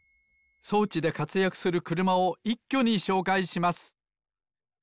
そうちでかつやくするくるまをいっきょにしょうかいします。